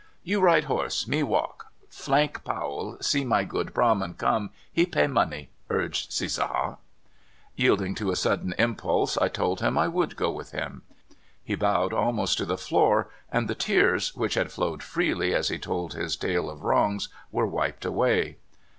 " You ride horse, me walk; Flank Powell see my good ^brahmin come, he pay money/' urged Cissaha. Yielding to a sudden impulse, I told him I would go with him. He bowed almost to the floor, and the tears, which had flowed freely as he told his tale of wrongs, w^ere wiped away.